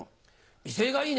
威勢がいいね！